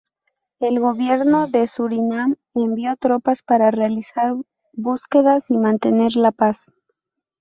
El gobierno de Surinam envió tropas para realizar búsquedas y mantener la paz.